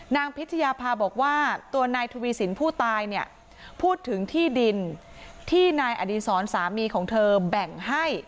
พิชยาภาบอกว่าตัวนายทวีสินผู้ตายเนี่ยพูดถึงที่ดินที่นายอดีศรสามีของเธอแบ่งให้